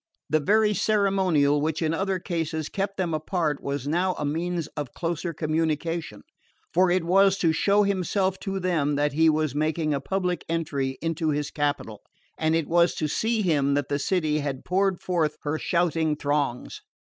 The very ceremonial which in other cases kept them apart was now a means of closer communication; for it was to show himself to them that he was making a public entry into his capital, and it was to see him that the city had poured forth her shouting throngs.